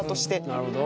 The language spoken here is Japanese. なるほど。